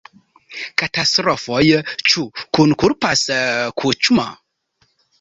Katastrofoj: ĉu kunkulpas Kuĉma?